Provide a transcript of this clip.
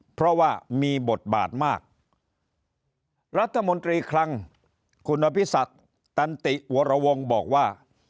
เพราะว่ามีบทบาทมากรัฐมนตรีคลังคุณอภิษักตันติวรวงบอกว่า